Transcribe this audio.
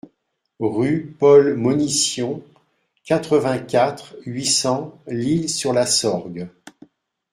Rue Paul Monition, quatre-vingt-quatre, huit cents L'Isle-sur-la-Sorgue